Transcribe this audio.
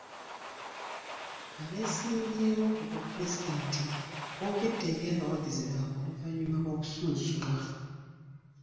Abeesimbyewo ku bwa pulezidenti boogeddeko eri abawagizi baabwe oluvannyuma lw'okusunsulwa.